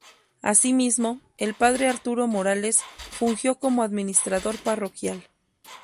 Asimismo, el Padre Arturo Morales fungió como Administrador Parroquial.